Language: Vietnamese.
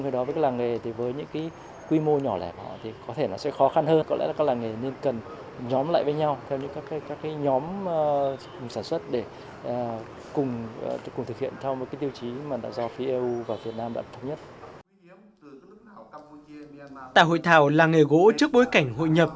tại hội thảo làng nghề gỗ trước bối cảnh hội nhập